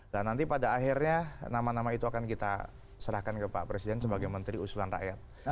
dan nanti pada akhirnya nama nama itu akan kita serahkan ke pak presiden sebagai menteri usulan rakyat